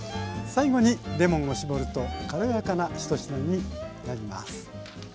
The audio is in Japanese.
最後にレモンを搾ると軽やかな一品になります。